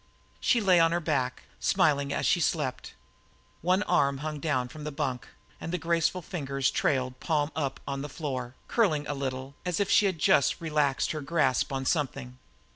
She lay on her back, smiling as she slept. One arm hung down from the bunk and the graceful fingers trailed, palm up, on the floor, curling a little, as if she had just relaxed her grasp on something.